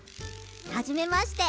はじめまして。